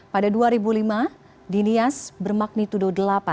pada dua ribu lima di nias bermagnitudo delapan lima